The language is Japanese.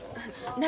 何？